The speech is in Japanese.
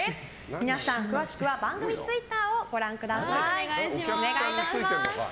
皆さん、詳しくは番組ツイッターをご覧ください。